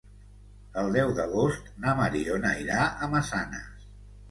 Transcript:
El deu d'agost na Mariona irà a Massanes.